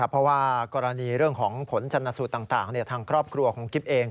เพราะว่ากรณีเรื่องของผลชนสูตรต่างทางครอบครัวของกิ๊บเอง